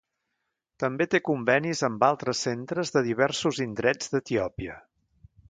També té convenis amb altres centres de diversos indrets d'Etiòpia.